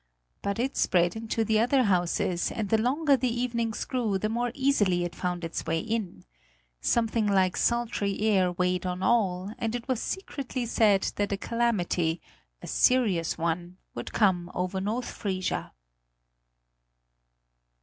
But it spread into the other houses, and the longer the evenings grew, the more easily it found its way in. Something like sultry air weighed on all, and it was secretly said that a calamity, a serious one, would come over North Frisia.